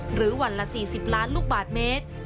หรือวันละ๔๐ล้านลูกบาทเมตร